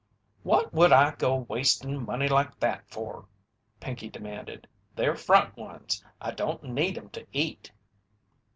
"What would I go wastin' money like that for?" Pinkey demanded. "They're front ones I don't need 'em to eat."